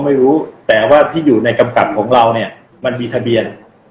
ไม่รู้แต่ว่าที่อยู่ในกำกับของเราเนี่ยมันมีทะเบียน